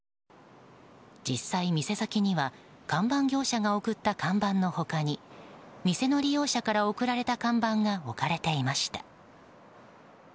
実際、店先には看板業者が送った看板の他に店の利用者から送られた看板が置かれていました。